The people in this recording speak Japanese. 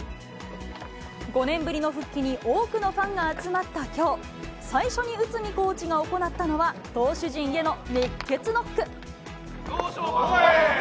５年ぶりの復帰に、多くのファンが集まったきょう、最初に内海コーチが行ったのは、投手陣への熱血ノック。